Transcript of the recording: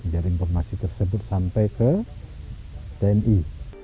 dari informasi tersebut sampai ke tni